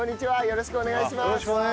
よろしくお願いします。